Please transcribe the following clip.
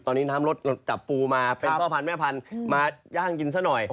ตอนนี้น้ำรถจับปูมาเป็นพ่อพันธุ์แม่พันธุ์มาย่างกินซะหน่อย